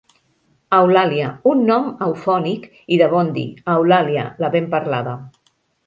Eulàlia, un nom eufònic i de bon dir, Eulàlia, la ben parlada.